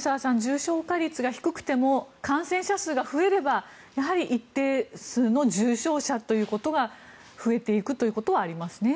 重症化率が低くても感染者数が増えれば一定数の重症者ということが増えていくということはありますね。